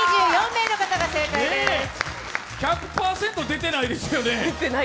１００％出てないですよね。